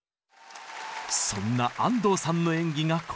そんな安藤さんの演技がこちら。